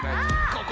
ここ！